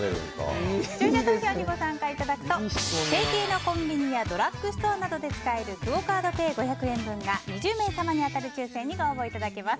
視聴者投票にご参加いただくと提携のコンビニやドラッグストアなどで使えるクオ・カードペイ５００円分が２０名様に当たる抽選にご応募いただけます。